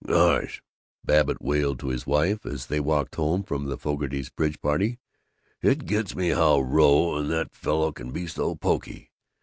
"Gosh," Babbitt wailed to his wife, as they walked home from the Fogartys' bridge party, "it gets me how Rone and that fellow can be so poky.